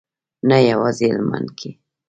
نه یوازې هلمند کې.